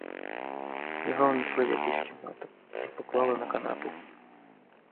Його внесли в якусь кімнату й поклали на канапу.